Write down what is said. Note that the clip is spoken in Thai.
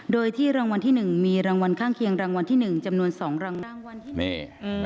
โดยที่รางวัลที่๑มีรางวัลข้างเคียงรางวัลที่๑จำนวน๒รางวัลที่๑นี่